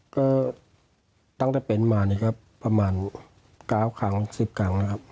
ก็ตั้งแต่เป็นมาเนี่ยก็ประมาณ๙ครั้ง๑๐ครั้งนะครับ